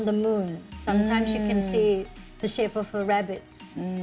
kadang kadang kamu bisa melihat bentuk rabbits